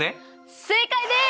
正解です！